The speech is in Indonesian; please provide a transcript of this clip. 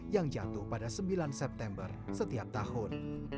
yang jatuh pada sembilan september setiap tahun